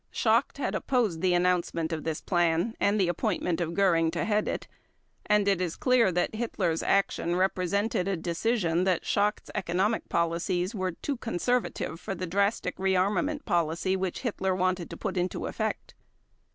Schacht had opposed the announcement of this plan and the appointment of Göring to head it, and it is clear that Hitler's action represented a decision that Schacht's economic policies were too conservative for the drastic rearmament policy which Hitler wanted to put into effect.